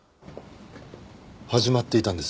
始まっていたんです。